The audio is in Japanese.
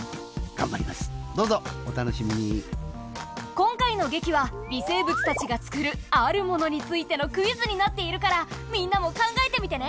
今回の劇は微生物たちが作るあるものについてのクイズになっているからみんなも考えてみてね。